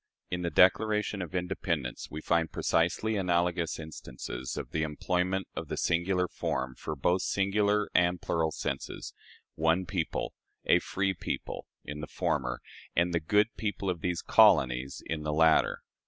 In the Declaration of Independence we find precisely analogous instances of the employment of the singular form for both singular and plural senses "one people," "a free people," in the former, and "the good people of these colonies" in the latter.